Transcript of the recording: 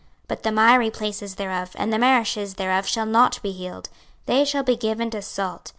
26:047:011 But the miry places thereof and the marishes thereof shall not be healed; they shall be given to salt.